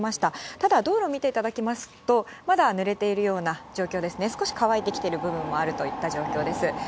ただ、道路見ていただきますと、まだ濡れているような状況ですね、少し乾いてきている部分もあるといった状況です。